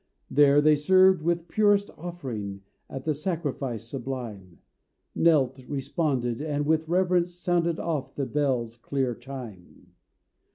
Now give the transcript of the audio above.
There they served with purest offering At the sacrifice sublime, Knelt, responded, and with reverence Sounded oft the bell's clear chime.